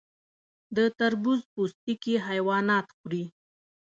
د تربوز پوستکي حیوانات خوري.